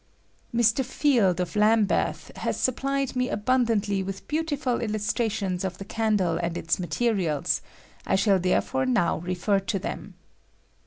Mr. rield, of Lambeth, has'' supplied me abundantly with beautiful illustrations of the candle and its materials ; I shall therefore now 1 in 1 J 8TEAHIN CAHDLE3, 13 lefer to them.